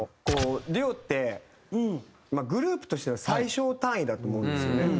こうデュオってグループとしての最小単位だと思うんですよね。